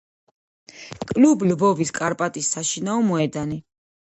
კლუბ ლვოვის „კარპატის“ საშინაო მოედანი.